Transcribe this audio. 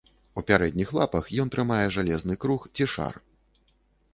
У пярэдніх лапах ён трымае жалезны круг ці шар.